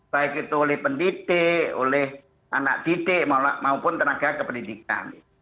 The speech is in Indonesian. baik itu oleh pendidik oleh anak didik maupun tenaga kependidikan